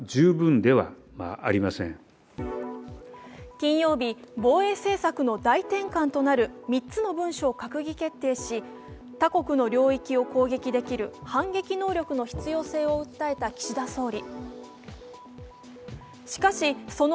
金曜日、防衛政策の大転換となる３つの文書を閣議決定し他国の領域を攻撃できる反撃能力の必要性を訴えた岸田総理。